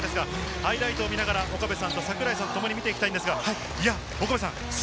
ハイライトを見ながら岡部さんと桜井さんと見ていきたいと思います。